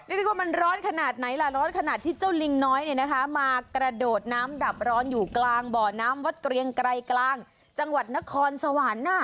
เรียกว่ามันร้อนขนาดไหนล่ะร้อนขนาดที่เจ้าลิงน้อยเนี่ยนะคะมากระโดดน้ำดับร้อนอยู่กลางบ่อน้ำวัดเกรียงไกรกลางจังหวัดนครสวรรค์